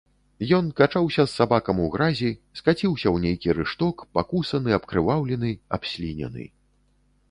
Ён качаўся з сабакам у гразі, скаціўся ў нейкі рышток, пакусаны, абкрываўлены, абслінены.